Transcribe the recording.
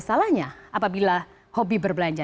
salahnya apabila hobi berbelanja